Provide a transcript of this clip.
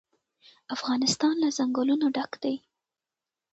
افغانستان له ځنګلونه ډک دی.